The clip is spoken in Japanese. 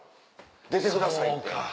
「出てください」って。